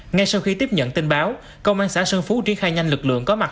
ngay sau khi tiếp nhận tin báo công an xã sơn phú triển khai nhanh lực lượng có mặt